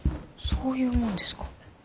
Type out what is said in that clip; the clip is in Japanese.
そういうもんですか。